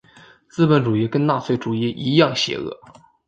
资本主义跟纳粹主义一样邪恶。